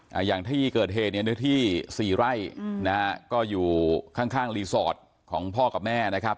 อย่างที่เกิดเหตุเนี่ยเนื้อที่สี่ไร่อืมนะฮะก็อยู่ข้างข้างรีสอร์ทของพ่อกับแม่นะครับ